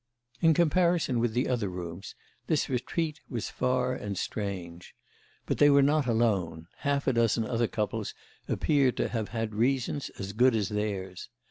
In comparison with the other rooms this retreat was far and strange. But they were not alone; half a dozen other couples appeared to have had reasons as good as theirs.